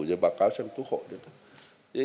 rồi báo cáo sang quốc hội